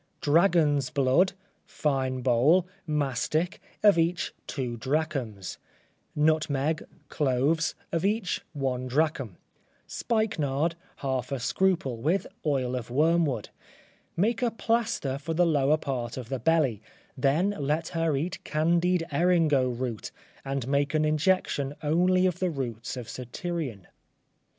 Dragon's blood, fine bole, mastic, of each two drachms; nutmeg, cloves, of each one drachm; spikenard, half a scruple, with oil of wormwood; make a plaster for the lower part of the belly, then let her eat candied eringo root, and make an injection only of the roots of satyrion.